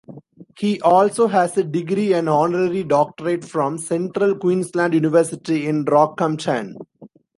He also has a degree and honorary doctorate from Central Queensland University in Rockhampton.